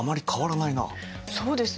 そうですね。